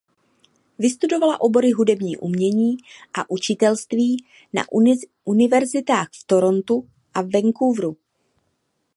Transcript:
Vystudovala obory hudební umění a učitelství na univerzitách v Torontu a Vancouveru.